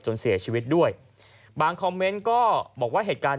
เสียชีวิตด้วยบางคอมเมนต์ก็บอกว่าเหตุการณ์